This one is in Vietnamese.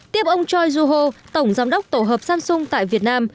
tiếp ông choi joo ho tổng giám đốc tổ hợp samsung tại việt nam